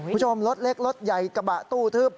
คุณผู้ชมรถเล็กรถใหญ่กระบะตู้ทึบ